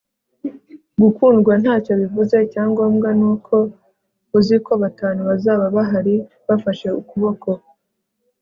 gukundwa ntacyo bivuze icyangombwa ni uko uzi ko batanu bazaba bahari bafashe ukuboko